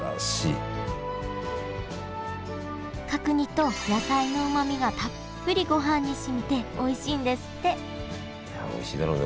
角煮と野菜のうまみがたっぷりごはんにしみておいしいんですっていやおいしいだろうな。